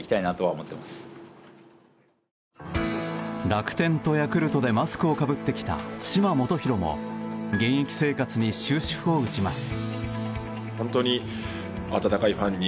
楽天とヤクルトでマスクをかぶってきた嶋基宏も現役生活に終止符を打ちます。